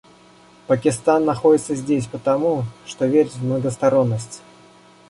Пакистан находится здесь потому, что верит в многосторонность.